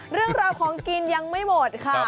เรื่องราวของกินยังไม่หมดค่ะ